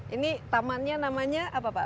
ini tamannya namanya apa pak